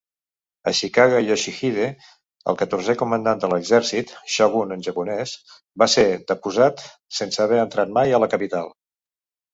Ashikaga Yoshihide, el catorzè comandant de l'exèrcit ("shogun" en japonès), va ser deposat sense haver entrat mai a la capital.